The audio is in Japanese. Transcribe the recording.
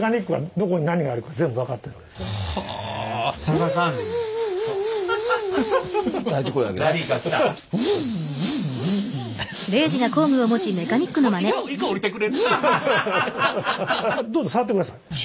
どうぞ触ってください。